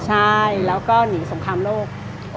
อ๋อช่วงนั้นมีสงครามโลก